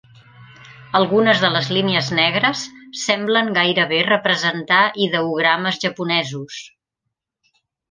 Algunes de les línies negres semblen gairebé representar ideogrames japonesos.